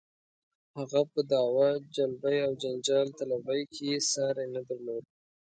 هغه په دعوه جلبۍ او جنجال طلبۍ کې یې ساری نه درلود.